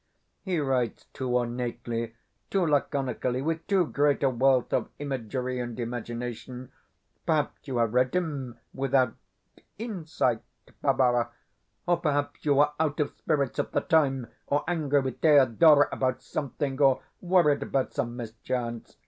He writes too ornately, too laconically, with too great a wealth of imagery and imagination. Perhaps you have read him without insight, Barbara? Or perhaps you were out of spirits at the time, or angry with Thedora about something, or worried about some mischance?